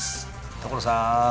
所さん！